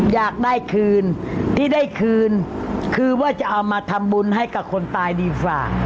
อยากได้คืนที่ได้คืนคือว่าจะเอามาทำบุญให้กับคนตายดีฝ่า